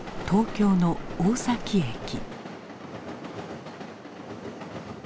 東京の大崎駅。